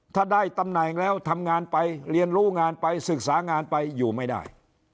ถ้าได้ตำแหน่งแล้วทำงานไปเรียนรู้งานไปศึกษางานไปอยู่ไม่ได้